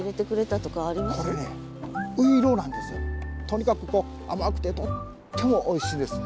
とにかく甘くてとってもおいしいんです。